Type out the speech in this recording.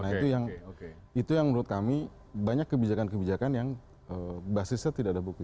nah itu yang menurut kami banyak kebijakan kebijakan yang basisnya tidak ada bukti